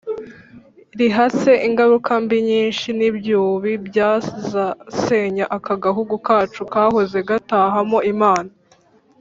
rihatse ingaruka mbi nyinshi n'ibyubi byazasenya aka gahugu kacu kahoze gatahamo imana.